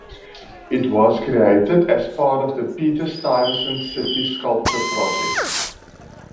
It was created as part of the Peter Stuyvesant City Sculpture project.